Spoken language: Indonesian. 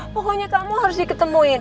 pokoknya kamu harus diketemuin